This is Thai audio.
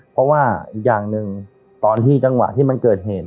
เพราะว่าอีกอย่างหนึ่งตอนที่จังหวะที่มันเกิดเหตุ